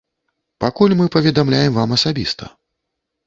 Пакуль мы паведамляем вам асабіста.